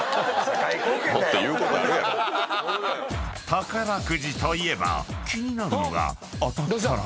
［宝くじといえば気になるのが］